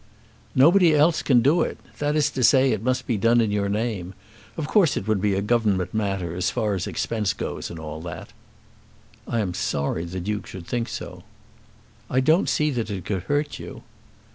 "Nobody else can do it. That is to say it must be done in your name. Of course it would be a Government matter, as far as expense goes, and all that." "I am sorry the Duke should think so." "I don't see that it could hurt you."